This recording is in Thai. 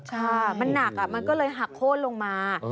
ใช่มันหนักมันก็เลยหักโค้นลงมา